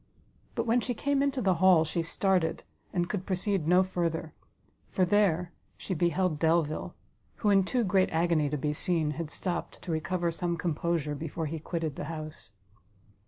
But when she came into the hall, she started, and could proceed no further; for there she beheld Delvile, who in too great agony to be seen, had stopt to recover some composure before he quitted the house.